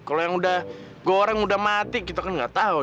kalo yang udah goreng udah mati kita kan gak tau